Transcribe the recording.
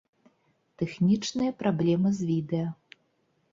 Тэхнічныя праблемы з відэа.